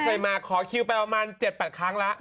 เคยมาขอคิวไปประมาณ๗๘ครั้งแล้ว